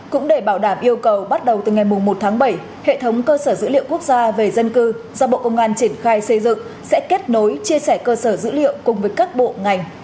cũng để bảo đảm yêu cầu bắt đầu từ ngày một tháng bảy hệ thống cơ sở dữ liệu quốc gia về dân cư do bộ công an triển khai xây dựng sẽ kết nối chia sẻ cơ sở dữ liệu cùng với các bộ ngành